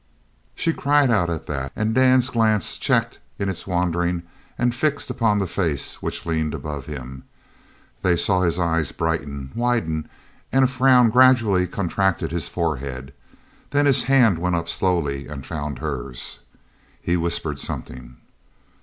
She cried out at that, and Dan's glance checked in its wandering and fixed upon the face which leaned above him. They saw his eyes brighten, widen, and a frown gradually contract his forehead. Then his hand went up slowly and found hers. He whispered something.